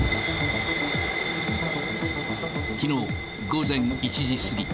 きのう午前１時過ぎ。